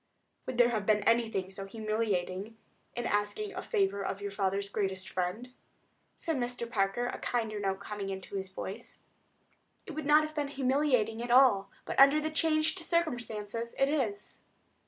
"Would there have been anything so humiliating in your asking a favor of your father's greatest friend?" said Mr. Parker, a kinder note coming into his voice. "It would not have been humiliating at all; but, under the changed circumstances, it is."